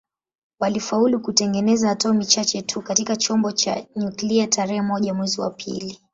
Walifaulu kutengeneza atomi chache tu katika chombo cha nyuklia tarehe moja mwezi wa pili